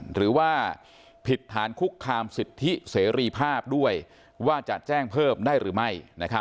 หรือว่าผิดฐานคุกคามสิทธิเสรีภาพด้วยว่าจะแจ้งเพิ่มได้หรือไม่